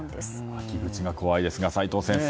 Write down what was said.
秋口が怖いですが齋藤先生